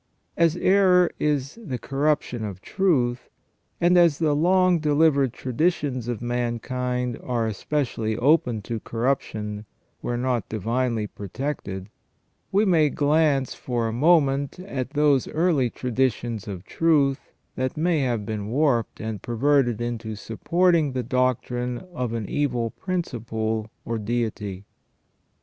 As error is the corruption of truth, and as the long delivered traditions of mankind are especially open to corruption, where not divinely protected, we may glance for a moment at those early traditions of truth that may have been warped and perverted into supporting the doctrine of an evil principle or deity.